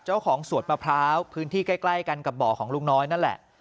สวดมะพร้าวพื้นที่ใกล้กันกับบ่อของลุงน้อยนั่นแหละ